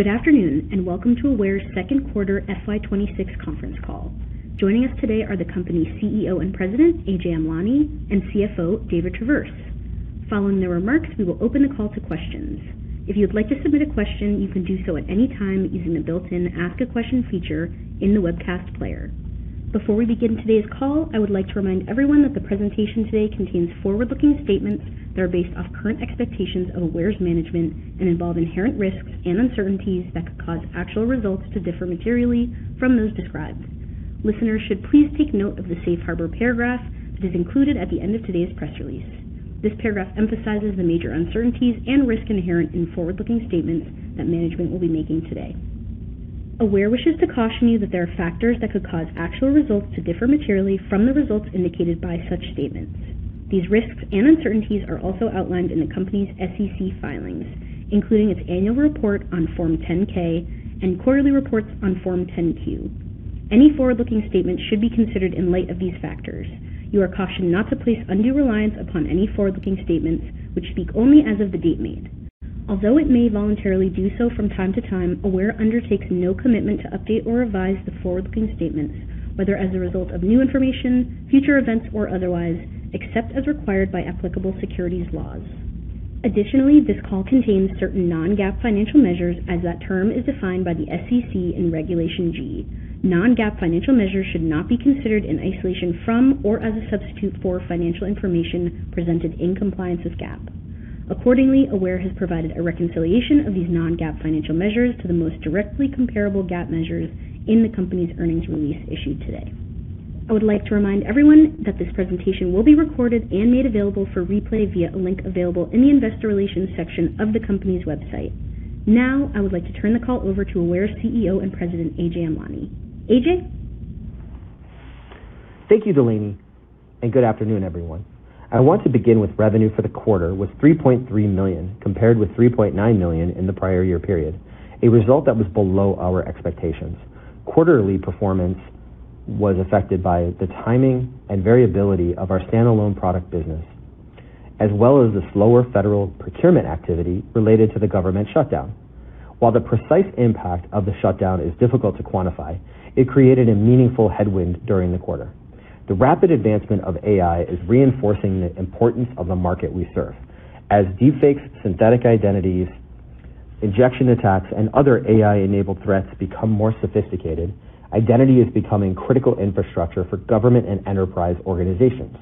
Good afternoon, and welcome to Aware's second quarter FY 2026 conference call. Joining us today are the company's Chief Executive Officer and President, Ajay Amlani, and Chief Financial Officer, David Traverse. Following their remarks, we will open the call to questions. If you would like to submit a question, you can do so at any time using the built-in ask a question feature in the webcast player. Before we begin today's call, I would like to remind everyone that the presentation today contains forward-looking statements that are based off current expectations of Aware's management and involve inherent risks and uncertainties that could cause actual results to differ materially from those described. Listeners should please take note of the safe harbor paragraph that is included at the end of today's press release. This paragraph emphasizes the major uncertainties and risk inherent in forward-looking statements that management will be making today. Aware wishes to caution you that there are factors that could cause actual results to differ materially from the results indicated by such statements. These risks and uncertainties are also outlined in the company's SEC filings, including its annual report on Form 10-K and quarterly reports on Form 10-Q. Any forward-looking statements should be considered in light of these factors. You are cautioned not to place undue reliance upon any forward-looking statements, which speak only as of the date made. Although it may voluntarily do so from time to time, Aware undertakes no commitment to update or revise the forward-looking statements, whether as a result of new information, future events, or otherwise, except as required by applicable securities laws. This call contains certain non-GAAP financial measures as that term is defined by the SEC in Regulation G. Non-GAAP financial measures should not be considered in isolation from or as a substitute for financial information presented in compliance with GAAP. Aware has provided a reconciliation of these non-GAAP financial measures to the most directly comparable GAAP measures in the company's earnings release issued today. I would like to remind everyone that this presentation will be recorded and made available for replay via a link available in the investor relations section of the company's website. Now, I would like to turn the call over to Aware's Chief Executive Officer and President, Ajay Amlani. Ajay? Thank you, Delaney, and good afternoon, everyone. I want to begin with revenue for the quarter with $3.3 million compared with $3.9 million in the prior year period, a result that was below our expectations. Quarterly performance was affected by the timing and variability of our standalone product business, as well as the slower federal procurement activity related to the government shutdown. While the precise impact of the shutdown is difficult to quantify, it created a meaningful headwind during the quarter. The rapid advancement of AI is reinforcing the importance of the market we serve. As deepfakes, synthetic identities, injection attacks, and other AI-enabled threats become more sophisticated, identity is becoming critical infrastructure for government and enterprise organizations.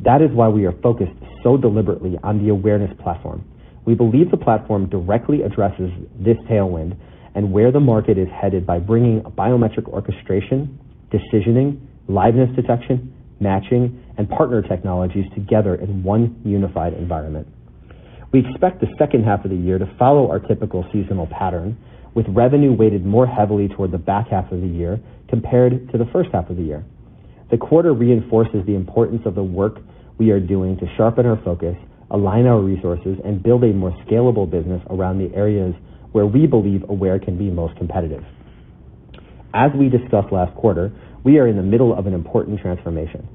That is why we are focused so deliberately on the Awareness Platform. We believe the platform directly addresses this tailwind and where the market is headed by bringing biometric orchestration, decisioning, liveness detection, matching, and partner technologies together in one unified environment. We expect the second half of the year to follow our typical seasonal pattern, with revenue weighted more heavily toward the back half of the year compared to the first half of the year. The quarter reinforces the importance of the work we are doing to sharpen our focus, align our resources, and build a more scalable business around the areas where we believe Aware can be most competitive. As we discussed last quarter, we are in the middle of an important transformation.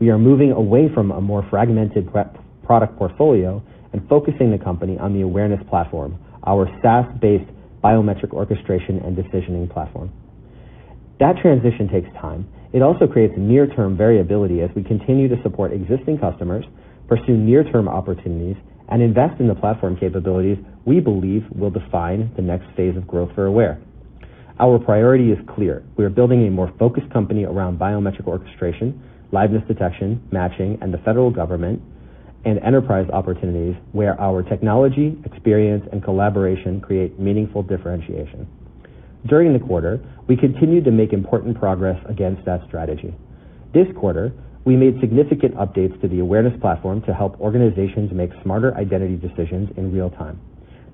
We are moving away from a more fragmented product portfolio and focusing the company on the Awareness Platform, our SaaS-based biometric orchestration and decisioning platform. That transition takes time. It also creates near-term variability as we continue to support existing customers, pursue near-term opportunities, and invest in the platform capabilities we believe will define the next phase of growth for Aware. Our priority is clear. We are building a more focused company around biometric orchestration, liveness detection, matching, and the federal government and enterprise opportunities where our technology, experience, and collaboration create meaningful differentiation. During the quarter, we continued to make important progress against that strategy. This quarter, we made significant updates to the Awareness Platform to help organizations make smarter identity decisions in real time.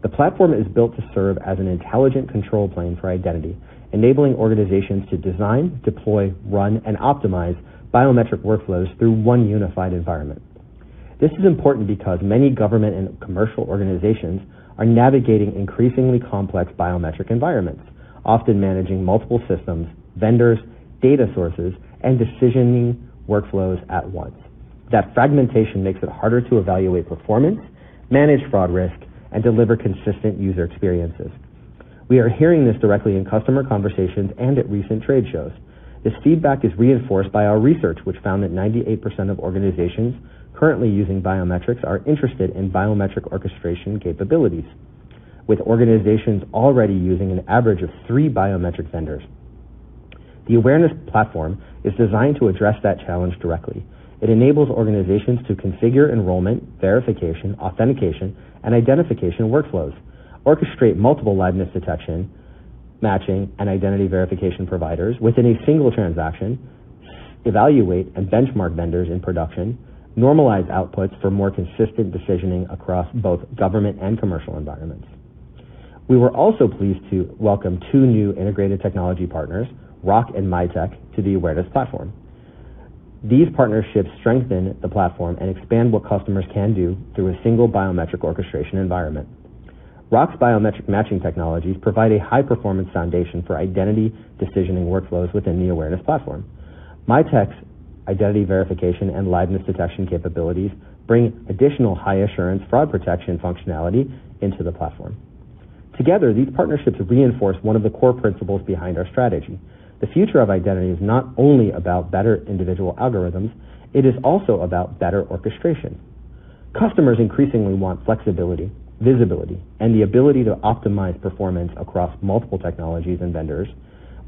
The platform is built to serve as an intelligent control plane for identity, enabling organizations to design, deploy, run, and optimize biometric workflows through one unified environment. This is important because many government and commercial organizations are navigating increasingly complex biometric environments, often managing multiple systems, vendors, data sources, and decisioning workflows at once. That fragmentation makes it harder to evaluate performance, manage fraud risk, and deliver consistent user experiences. We are hearing this directly in customer conversations and at recent trade shows. This feedback is reinforced by our research, which found that 98% of organizations currently using biometrics are interested in biometric orchestration capabilities, with organizations already using an average of three biometric vendors. The Awareness Platform is designed to address that challenge directly. It enables organizations to configure enrollment, verification, authentication, and identification workflows, orchestrate multiple liveness detection, matching, and identity verification providers within a single transaction, evaluate and benchmark vendors in production, normalize outputs for more consistent decisioning across both government and commercial environments. We were also pleased to welcome two new integrated technology partners, ROC and Mitek, to the Awareness Platform. These partnerships strengthen the platform and expand what customers can do through a single biometric orchestration environment. ROC's biometric matching technologies provide a high-performance foundation for identity decisioning workflows within the Awareness Platform. Mitek's identity verification and liveness detection capabilities bring additional high assurance fraud protection functionality into the platform. Together, these partnerships reinforce one of the core principles behind our strategy. The future of identity is not only about better individual algorithms, it is also about better orchestration. Customers increasingly want flexibility, visibility, and the ability to optimize performance across multiple technologies and vendors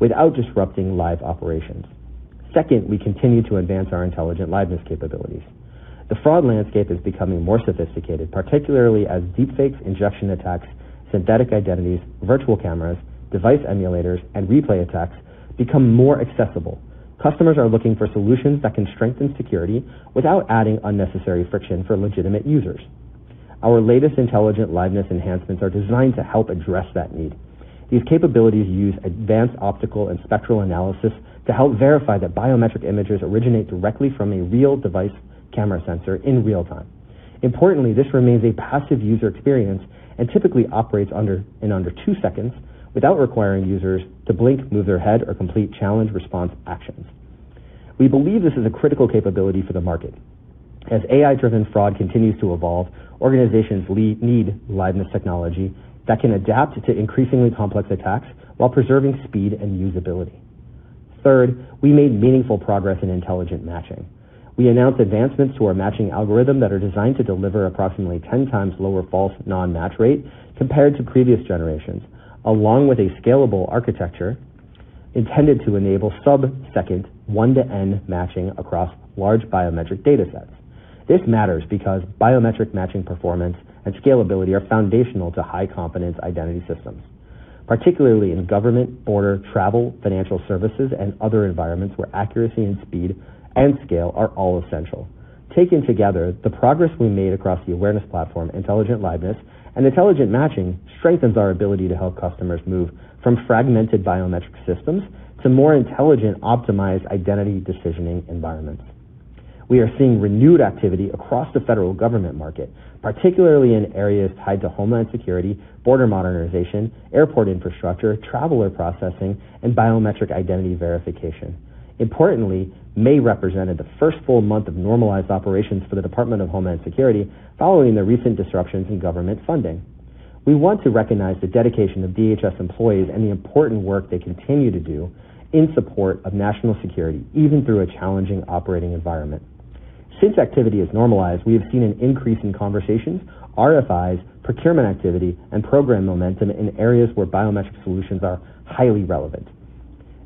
without disrupting live operations. Second, we continue to advance our Intelligent Liveness capabilities. The fraud landscape is becoming more sophisticated, particularly as deepfakes, injection attacks, synthetic identities, virtual cameras, device emulators, and replay attacks become more accessible. Customers are looking for solutions that can strengthen security without adding unnecessary friction for legitimate users. Our latest Intelligent Liveness enhancements are designed to help address that need. These capabilities use advanced optical and spectral analysis to help verify that biometric images originate directly from a real device camera sensor in real time. Importantly, this remains a passive user experience and typically operates in under two seconds without requiring users to blink, move their head, or complete challenge-response actions. We believe this is a critical capability for the market. As AI-driven fraud continues to evolve, organizations need liveness technology that can adapt to increasingly complex attacks while preserving speed and usability. Third, we made meaningful progress in Intelligent Matching. We announced advancements to our matching algorithm that are designed to deliver approximately 10 times lower false non-match rate compared to previous generations, along with a scalable architecture intended to enable sub-second one-to-N matching across large biometric datasets. This matters because biometric matching performance and scalability are foundational to high-confidence identity systems, particularly in government, border, travel, financial services, and other environments where accuracy and speed and scale are all essential. Taken together, the progress we made across the Awareness Platform, Intelligent Liveness, and Intelligent Matching strengthens our ability to help customers move from fragmented biometric systems to more intelligent, optimized identity decisioning environments. We are seeing renewed activity across the federal government market, particularly in areas tied to Homeland Security, border modernization, airport infrastructure, Traveler Processing, and biometric identity verification. Importantly, May represented the first full month of normalized operations for the Department of Homeland Security following the recent disruptions in government funding. We want to recognize the dedication of DHS employees and the important work they continue to do in support of national security, even through a challenging operating environment. Since activity has normalized, we have seen an increase in conversations, RFIs, procurement activity, and program momentum in areas where biometric solutions are highly relevant.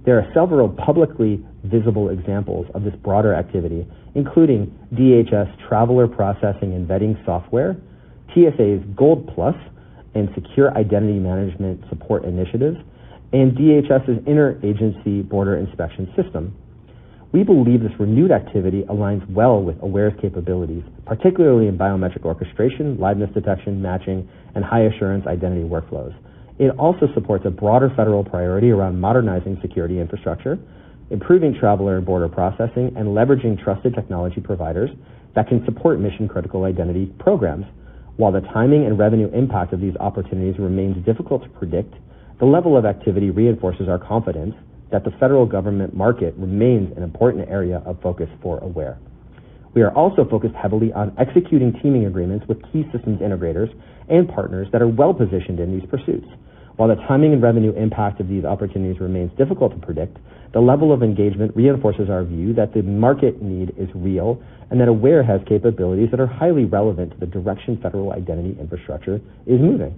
There are several publicly visible examples of this broader activity, including DHS Traveler Processing and Vetting Software, TSA's Gold+ and secure identity management support initiatives, and DHS's Interagency Border Inspection System. We believe this renewed activity aligns well with Aware's capabilities, particularly in biometric orchestration, liveness detection, matching, and high-assurance identity workflows. It also supports a broader federal priority around modernizing security infrastructure, improving traveler and border processing, and leveraging trusted technology providers that can support mission-critical identity programs. While the timing and revenue impact of these opportunities remains difficult to predict, the level of activity reinforces our confidence that the federal government market remains an important area of focus for Aware. We are also focused heavily on executing teaming agreements with key systems integrators and partners that are well-positioned in these pursuits. While the timing and revenue impact of these opportunities remains difficult to predict, the level of engagement reinforces our view that the market need is real, and that Aware has capabilities that are highly relevant to the direction federal identity infrastructure is moving.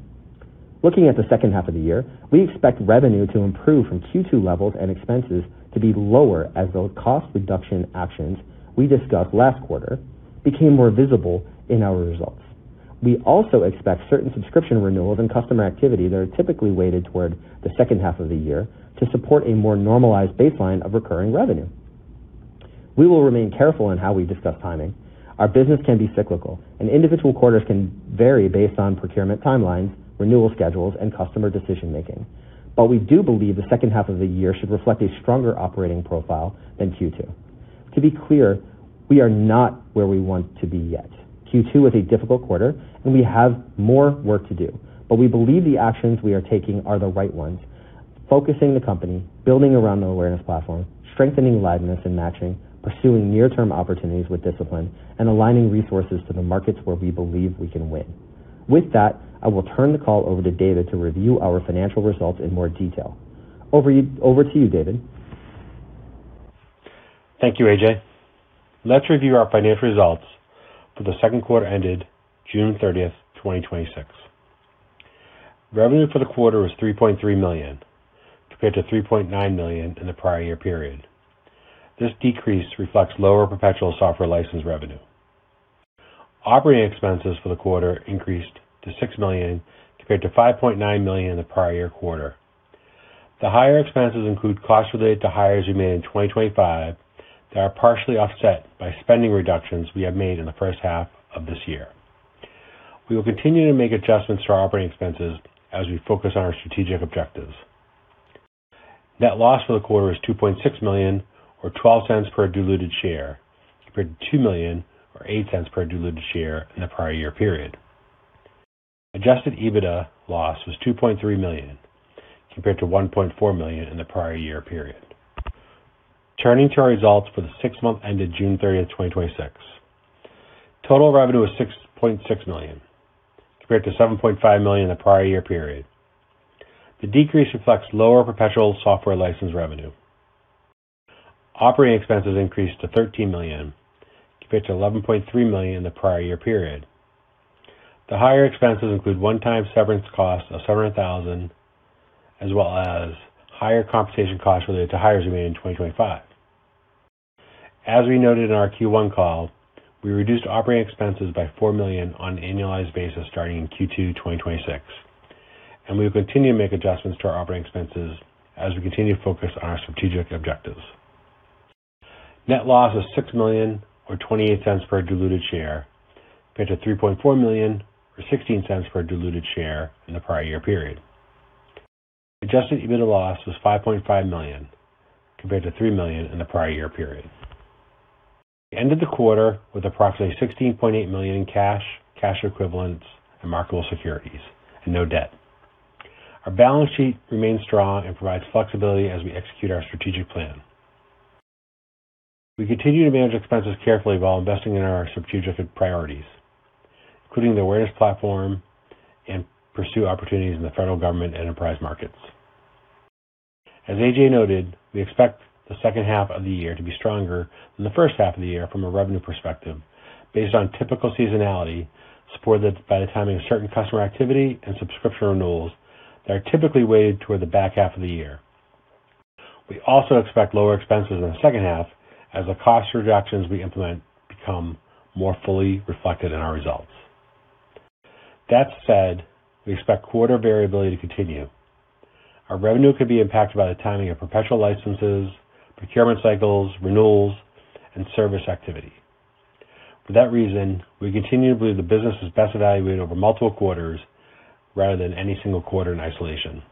Looking at the second half of the year, we expect revenue to improve from Q2 levels and expenses to be lower as those cost reduction actions we discussed last quarter became more visible in our results. We also expect certain subscription renewals and customer activity that are typically weighted toward the second half of the year to support a more normalized baseline of recurring revenue. We will remain careful in how we discuss timing. Our business can be cyclical, and individual quarters can vary based on procurement timelines, renewal schedules, and customer decision-making. We do believe the second half of the year should reflect a stronger operating profile than Q2. To be clear, we are not where we want to be yet. Q2 was a difficult quarter and we have more work to do. We believe the actions we are taking are the right ones, focusing the company, building around the Awareness Platform, strengthening liveness and matching, pursuing near-term opportunities with discipline, and aligning resources to the markets where we believe we can win. With that, I will turn the call over to David to review our financial results in more detail. Over to you, David. Thank you, Ajay. Let's review our financial results for the second quarter ended June 30th, 2026. Revenue for the quarter was $3.3 million, compared to $3.9 million in the prior year period. This decrease reflects lower perpetual software license revenue. Operating expenses for the quarter increased to $6 million, compared to $5.9 million in the prior year quarter. The higher expenses include costs related to hires we made in 2025 that are partially offset by spending reductions we have made in the first half of this year. We will continue to make adjustments to our operating expenses as we focus on our strategic objectives. Net loss for the quarter was $2.6 million, or $0.12 per diluted share, compared to $2 million, or $0.08 per diluted share in the prior year period. Adjusted EBITDA loss was $2.3 million, compared to $1.4 million in the prior year period. Turning to our results for the six month ended June 30th, 2026. Total revenue was $6.6 million, compared to $7.5 million in the prior year period. The decrease reflects lower perpetual software license revenue. Operating expenses increased to $13 million, compared to $11.3 million in the prior year period. The higher expenses include one-time severance cost of $700,000, as well as higher compensation costs related to hires made in 2025. As we noted in our Q1 call, we reduced operating expenses by $4 million on an annualized basis starting in Q2 2026, and we will continue to make adjustments to our operating expenses as we continue to focus on our strategic objectives. Net loss was $6 million, or $0.28 per diluted share, compared to $3.4 million, or $0.16 per diluted share in the prior year period. Adjusted EBITDA loss was $5.5 million, compared to $3 million in the prior year period. We ended the quarter with approximately $16.8 million in cash equivalents, and marketable securities, and no debt. Our balance sheet remains strong and provides flexibility as we execute our strategic plan. We continue to manage expenses carefully while investing in our strategic priorities, including the Awareness Platform and pursue opportunities in the federal government enterprise markets. As Ajay noted, we expect the second half of the year to be stronger than the first half of the year from a revenue perspective, based on typical seasonality supported by the timing of certain customer activity and subscription renewals that are typically weighted toward the back half of the year. We also expect lower expenses in the second half as the cost reductions we implement become more fully reflected in our results. That said, we expect quarter variability to continue. Our revenue could be impacted by the timing of perpetual licenses, procurement cycles, renewals, and service activity. For that reason, we continue to believe the business is best evaluated over multiple quarters rather than any single quarter in isolation.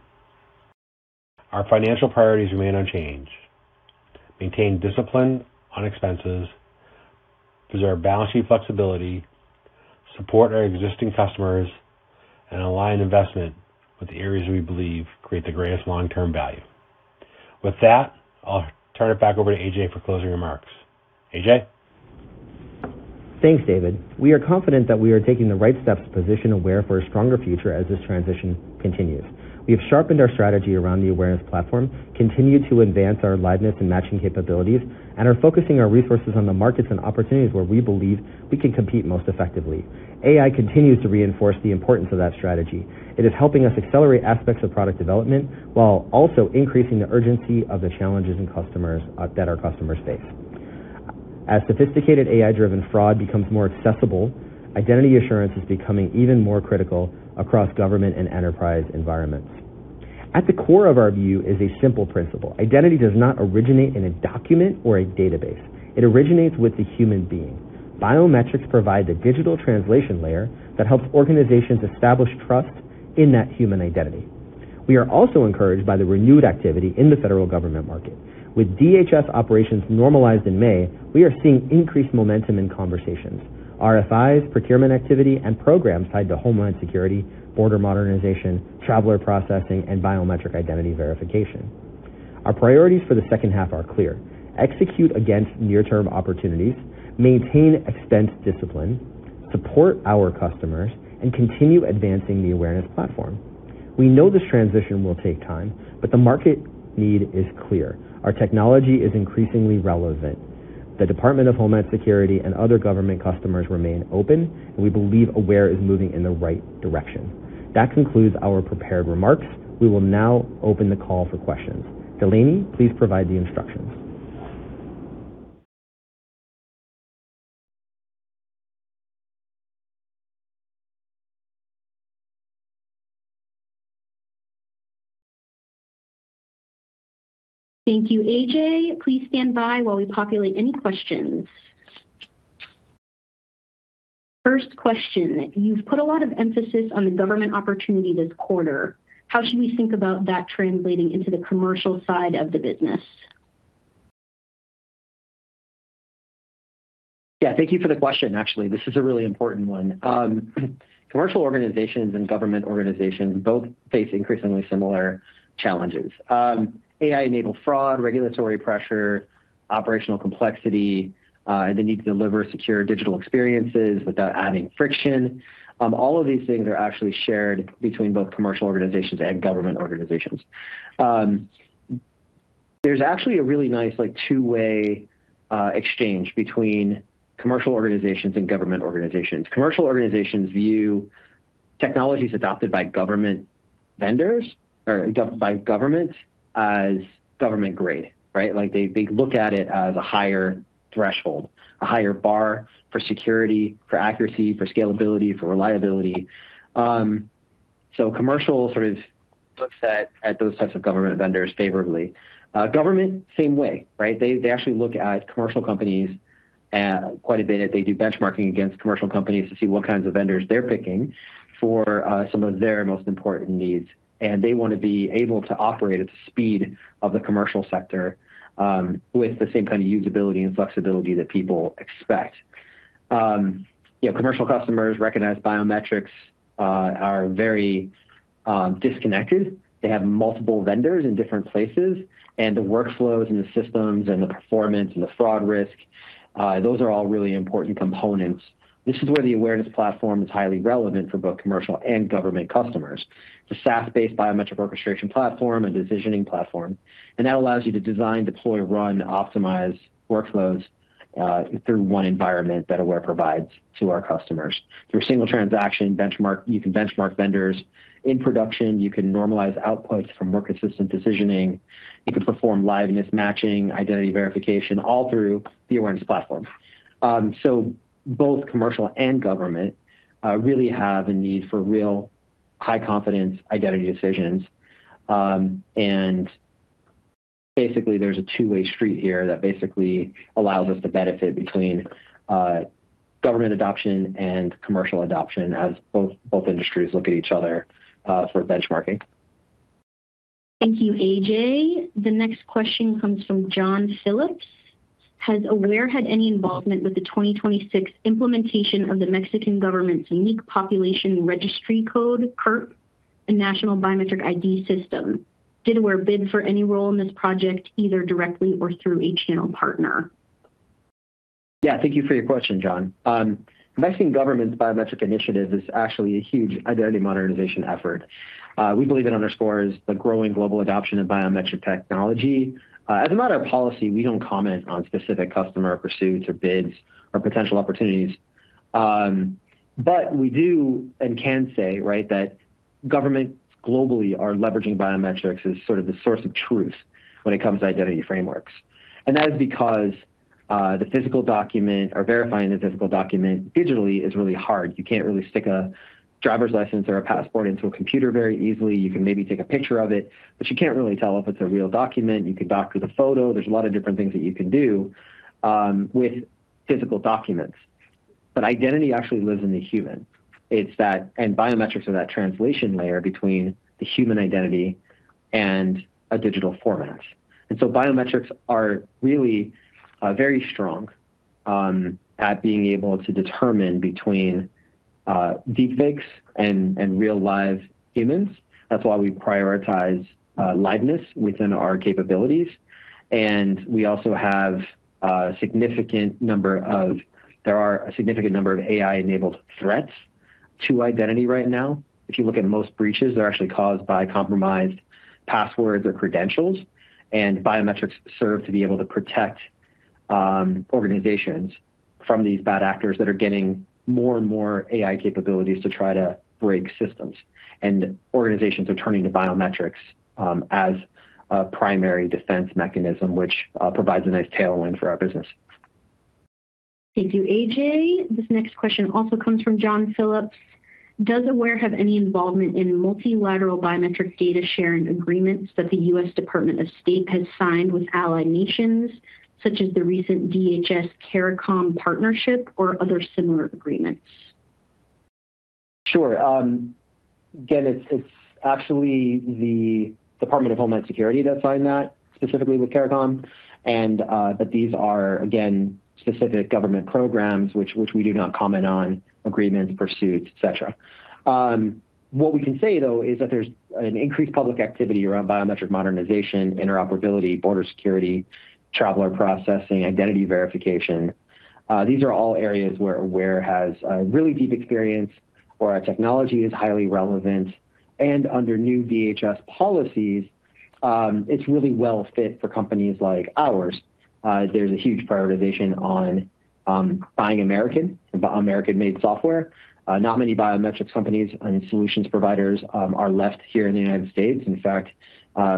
Our financial priorities remain unchanged. Maintain discipline on expenses, preserve balance sheet flexibility, support our existing customers, and align investment with the areas we believe create the greatest long-term value. With that, I'll turn it back over to Ajay for closing remarks. Ajay? Thanks, David. We are confident that we are taking the right steps to position Aware for a stronger future as this transition continues. We have sharpened our strategy around the Awareness Platform, continue to advance our liveness and matching capabilities, and are focusing our resources on the markets and opportunities where we believe we can compete most effectively. AI continues to reinforce the importance of that strategy. It is helping us accelerate aspects of product development while also increasing the urgency of the challenges that our customers face. As sophisticated AI-driven fraud becomes more accessible, identity assurance is becoming even more critical across government and enterprise environments. At the core of our view is a simple principle. Identity does not originate in a document or a database. It originates with the human being. Biometrics provide the digital translation layer that helps organizations establish trust in that human identity. We are also encouraged by the renewed activity in the federal government market. With DHS operations normalized in May, we are seeing increased momentum in conversations. RFIs, procurement activity, and programs tied to homeland security, border modernization, traveler processing, and biometric identity verification. Our priorities for the second half are clear. Execute against near-term opportunities, maintain expense discipline, support our customers, and continue advancing the Awareness Platform. We know this transition will take time, but the market need is clear. Our technology is increasingly relevant. The Department of Homeland Security and other government customers remain open, and we believe Aware is moving in the right direction. That concludes our prepared remarks. We will now open the call for questions. Delaney, please provide the instructions. Thank you, Ajay. Please stand by while we populate any questions. First question. You've put a lot of emphasis on the government opportunity this quarter. How should we think about that translating into the commercial side of the business? Yeah, thank you for the question, actually. This is a really important one. Commercial organizations and government organizations both face increasingly similar challenges. AI-enabled fraud, regulatory pressure, operational complexity, the need to deliver secure digital experiences without adding friction. All of these things are actually shared between both commercial organizations and government organizations. There's actually a really nice two-way exchange between commercial organizations and government organizations. Commercial organizations view technologies adopted by government vendors or by government as government-grade, right? They look at it as a higher threshold, a higher bar for security, for accuracy, for scalability, for reliability. Commercial sort of looks at those types of government vendors favorably. Government, same way, right? They actually look at commercial companies quite a bit. They do benchmarking against commercial companies to see what kinds of vendors they're picking for some of their most important needs. They want to be able to operate at the speed of the commercial sector with the same kind of usability and flexibility that people expect. Commercial customers recognize biometrics are very disconnected. They have multiple vendors in different places, the workflows and the systems and the performance and the fraud risk, those are all really important components. This is where the Awareness Platform is highly relevant for both commercial and government customers. It's a SaaS-based biometric orchestration platform and decisioning platform, that allows you to design, deploy, run, optimize workflows through one environment that Aware provides to our customers. Through a single transaction benchmark, you can benchmark vendors. In production, you can normalize outputs from more consistent decisioning. You can perform liveness matching, identity verification, all through the Awareness Platform. Both commercial and government really have a need for real high-confidence identity decisions. Basically, there's a two-way street here that basically allows us to benefit between government adoption and commercial adoption as both industries look at each other for benchmarking. Thank you, Ajay. The next question comes from John Phillips. Has Aware had any involvement with the 2026 implementation of the Mexican government's unique population registry code, CURP, a national biometric ID system? Did Aware bid for any role in this project, either directly or through a channel partner? Yeah. Thank you for your question, John. Mexican government's biometric initiative is actually a huge identity modernization effort. We believe it underscores the growing global adoption of biometric technology. As a matter of policy, we don't comment on specific customer pursuits or bids or potential opportunities. We do and can say that governments globally are leveraging biometrics as sort of the source of truth when it comes to identity frameworks. That is because the physical document or verifying the physical document digitally is really hard. You can't really stick a driver's license or a passport into a computer very easily. You can maybe take a picture of it, but you can't really tell if it's a real document. You could doctor the photo. There's a lot of different things that you can do with physical documents. Identity actually lives in the human, and biometrics are that translation layer between the human identity and a digital format. Biometrics are really very strong at being able to determine between deepfakes and real live humans. That's why we prioritize liveness within our capabilities. There are a significant number of AI-enabled threats to identity right now. If you look at most breaches, they're actually caused by compromised passwords or credentials, and biometrics serve to be able to protect organizations from these bad actors that are getting more and more AI capabilities to try to break systems. Organizations are turning to biometrics as a primary defense mechanism, which provides a nice tailwind for our business. Thank you, Ajay. This next question also comes from John Phillips. Does Aware have any involvement in multilateral biometric data-sharing agreements that the U.S. Department of State has signed with ally nations, such as the recent DHS CARICOM partnership or other similar agreements? Sure. Again, it's actually the Department of Homeland Security that signed that specifically with CARICOM. These are, again, specific government programs which we do not comment on, agreements, pursuits, et cetera. What we can say, though, is that there's an increased public activity around biometric modernization, interoperability, border security, traveler processing, identity verification. These are all areas where Aware has a really deep experience or our technology is highly relevant. Under new DHS policies, it's really well fit for companies like ours. There's a huge prioritization on buying American-made software. Not many biometrics companies and solutions providers are left here in the United States. In fact,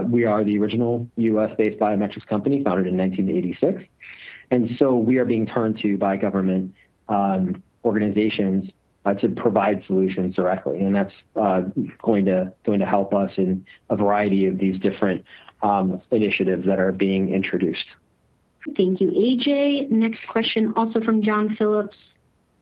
we are the original U.S.-based biometrics company founded in 1986. We are being turned to by government organizations to provide solutions directly, and that's going to help us in a variety of these different initiatives that are being introduced. Thank you, Ajay. Next question, also from John Phillips.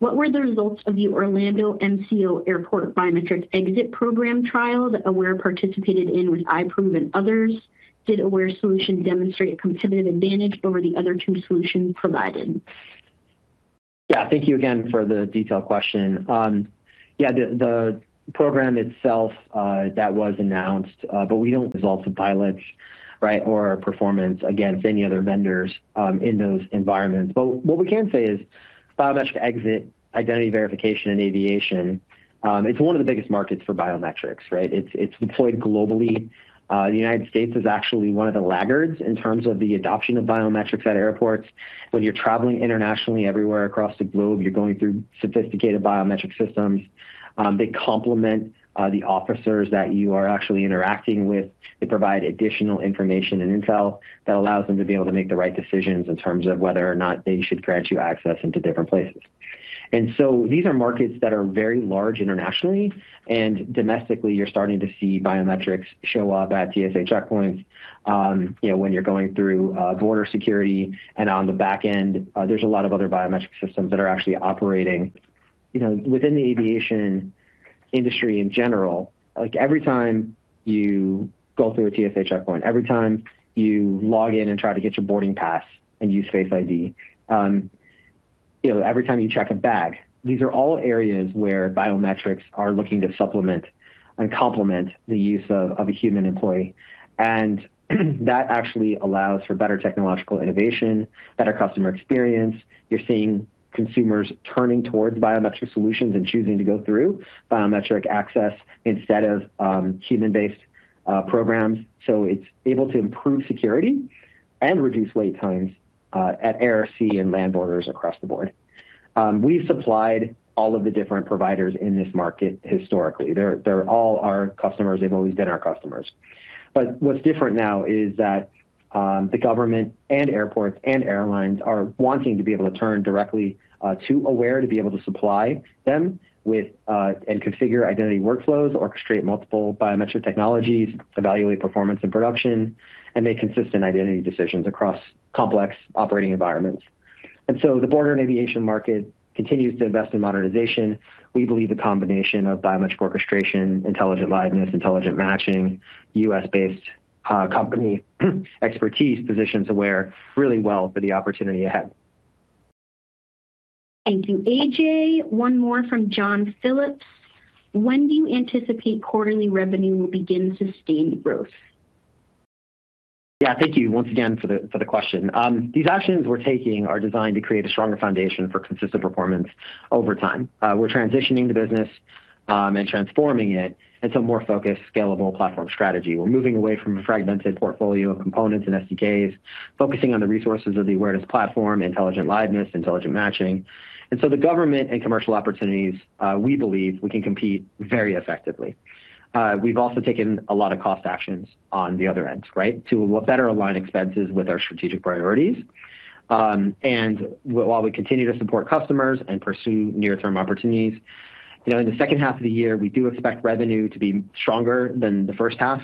What were the results of the Orlando MCO Airport biometric exit program trial that Aware participated in with iProov and others? Did Aware's solution demonstrate a competitive advantage over the other two solutions provided? Yeah. Thank you again for the detailed question. Yeah, the program itself that was announced, we don't resolve the pilots or performance against any other vendors in those environments. What we can say is biometric exit identity verification in aviation, it's one of the biggest markets for biometrics, right? It's deployed globally. The United States is actually one of the laggards in terms of the adoption of biometrics at airports. When you're traveling internationally everywhere across the globe, you're going through sophisticated biometric systems. They complement the officers that you are actually interacting with. They provide additional information and intel that allows them to be able to make the right decisions in terms of whether or not they should grant you access into different places. These are markets that are very large internationally, and domestically, you're starting to see biometrics show up at TSA checkpoints. When you're going through border security and on the back end, there's a lot of other biometric systems that are actually operating Within the aviation industry in general, every time you go through a TSA checkpoint, every time you log in and try to get your boarding pass and use Face ID, and every time you check a bag, these are all areas where biometrics are looking to supplement and complement the use of a human employee. That actually allows for better technological innovation, better customer experience. You're seeing consumers turning towards biometric solutions and choosing to go through biometric access instead of human-based programs. It's able to improve security and reduce wait times at air, sea, and land borders across the board. We've supplied all of the different providers in this market historically. They're all our customers. They've always been our customers. What's different now is that the government and airports and airlines are wanting to be able to turn directly to Aware to be able to supply them and configure identity workflows, orchestrate multiple biometric technologies, evaluate performance and production, and make consistent identity decisions across complex operating environments. The border and aviation market continues to invest in modernization. We believe the combination of biometric orchestration, Intelligent Liveness, Intelligent Matching, U.S.-based company expertise positions Aware really well for the opportunity ahead. Thank you, Ajay. One more from John Phillips. When do you anticipate quarterly revenue will begin sustained growth? Thank you once again for the question. These actions we're taking are designed to create a stronger foundation for consistent performance over time. We're transitioning the business and transforming it into a more focused, scalable platform strategy. We're moving away from a fragmented portfolio of components and SDKs, focusing on the resources of the Awareness Platform, Intelligent Liveness, Intelligent Matching. The government and commercial opportunities, we believe we can compete very effectively. We've also taken a lot of cost actions on the other end, right? To better align expenses with our strategic priorities. While we continue to support customers and pursue near-term opportunities. In the second half of the year, we do expect revenue to be stronger than the first half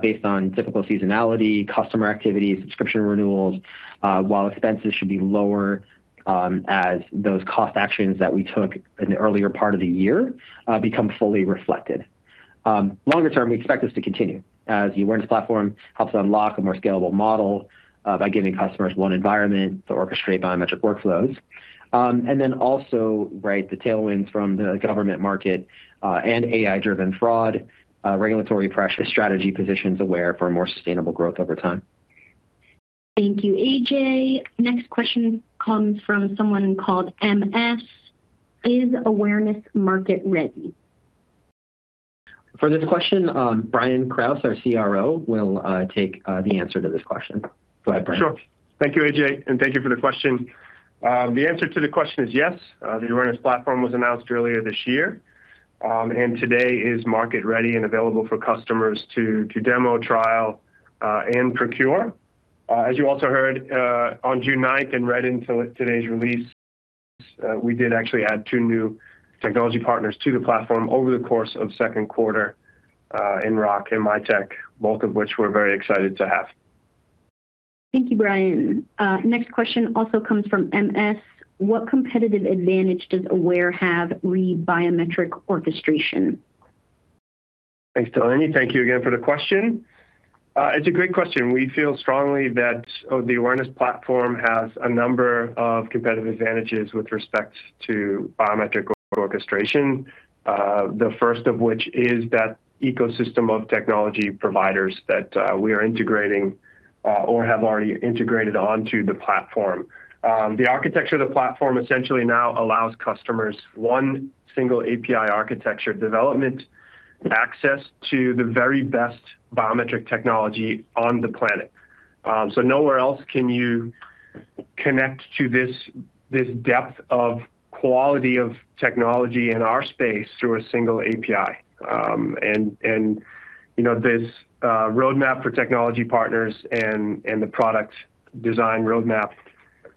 based on typical seasonality, customer activity, subscription renewals, while expenses should be lower as those cost actions that we took in the earlier part of the year become fully reflected. Longer term, we expect this to continue as the Awareness Platform helps unlock a more scalable model by giving customers one environment to orchestrate biometric workflows. Also, the tailwinds from the government market, and AI-driven fraud, regulatory pressure strategy positions Aware for more sustainable growth over time. Thank you, Ajay. Next question comes from someone called MS. Is Awareness market-ready? For this question, Brian Krause, our Chief Revenue Officer, will take the answer to this question. Go ahead, Brian. Sure. Thank you, Ajay, and thank you for the question. The answer to the question is yes. The Awareness Platform was announced earlier this year. Today is market-ready and available for customers to demo, trial, and procure. As you also heard on June 9th and read in today's release, we did actually add two new technology partners to the platform over the course of second quarter, ROC and Mitek, both of which we're very excited to have. Thank you, Brian. Next question also comes from MS. What competitive advantage does Aware have re biometric orchestration? Thanks, Delaney. Thank you again for the question. It's a great question. We feel strongly that the Awareness Platform has a number of competitive advantages with respect to biometric orchestration. The first of which is that ecosystem of technology providers that we are integrating or have already integrated onto the platform. The architecture of the platform essentially now allows customers one single API architecture development access to the very best biometric technology on the planet. Nowhere else can you connect to this depth of quality of technology in our space through a single API. This roadmap for technology partners and the product design roadmap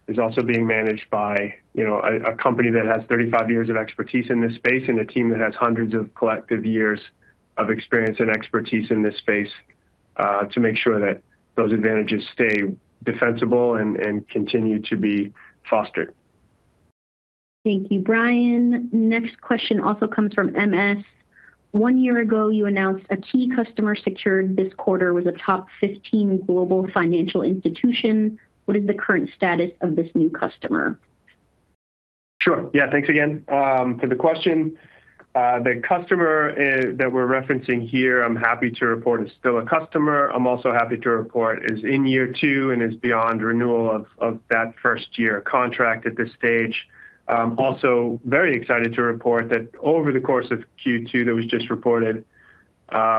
is also being managed by a company that has 35 years of expertise in this space and a team that has hundreds of collective years of experience and expertise in this space to make sure that those advantages stay defensible and continue to be fostered. Thank you, Brian. Next question also comes from MS. One year ago, you announced a key customer secured this quarter was a top 15 global financial institution. What is the current status of this new customer? Sure. Yeah. Thanks again for the question. The customer that we're referencing here, I'm happy to report is still a customer. I'm also happy to report is in year two and is beyond renewal of that first-year contract at this stage. I'm also very excited to report that over the course of Q2 that was just reported,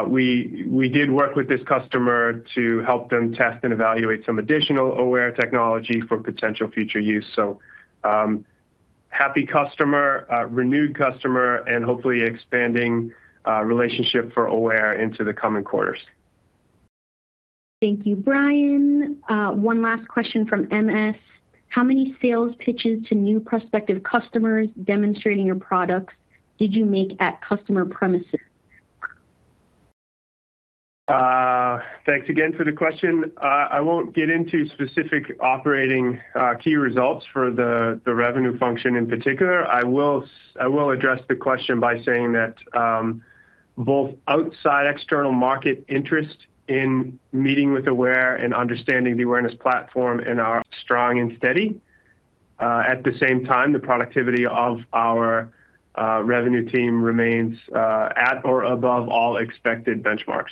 we did work with this customer to help them test and evaluate some additional Aware technology for potential future use. Happy customer, renewed customer, and hopefully expanding relationship for Aware into the coming quarters. Thank you, Brian. One last question from MS. How many sales pitches to new prospective customers demonstrating your products did you make at customer premises? Thanks again for the question. I won't get into specific operating key results for the revenue function in particular. I will address the question by saying that both outside external market interest in meeting with Aware and understanding the Awareness Platform and are strong and steady. At the same time, the productivity of our revenue team remains at or above all expected benchmarks.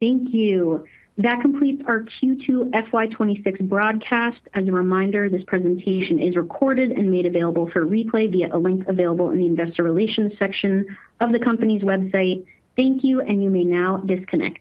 Thank you. That completes our Q2 FY 2026 broadcast. As a reminder, this presentation is recorded and made available for replay via a link available in the investor relations section of the company's website. Thank you, and you may now disconnect.